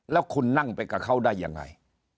แล้วคุณนั่งไปกับเขาได้ยังไง